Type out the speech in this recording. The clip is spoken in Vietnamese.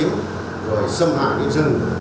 thì cũng nên khẩn trương